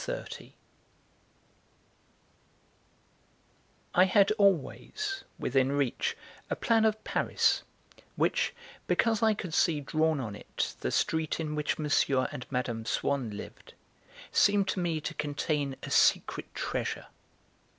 I had always, within reach, a plan of Paris, which, because I could see drawn on it the street in which M. and Mme. Swann lived, seemed to me to contain a secret treasure.